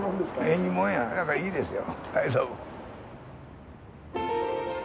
縁起もんやだからいいですよ。